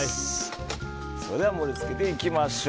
それでは盛り付けていきましょう。